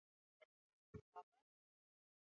kuchoma fueli na magari ya kusambaza na usafirishaji